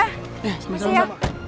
terima kasih ya